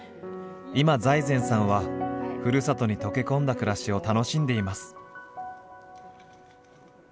今財前さんはふるさとに溶け込んだ暮らしを楽しんでいます。